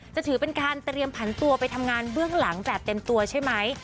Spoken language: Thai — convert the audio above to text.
ถือเป็นการเตรียมผันตัวไปทำงานเบื้องหลังแบบเต็มตัวใช่ไหม